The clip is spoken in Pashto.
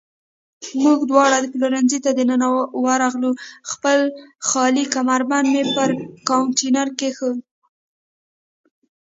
موږ دواړه پلورنځۍ ته دننه ورغلو، خپل خالي کمربند مې پر کاونټر کېښود.